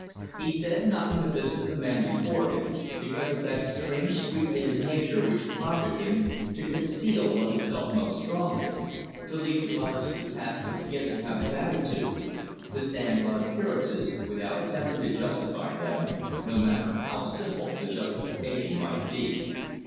He said nothing of this to the man before him, because of that strange streak in his nature which prompted him to conceal what he felt most strongly; to leave to others the task of guessing out his attitude; to stand on appearances without attempting to justify them, no matter how simple the justification might be.